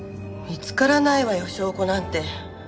見つからないわよ証拠なんて。